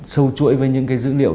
sâu chuỗi với những cái dữ liệu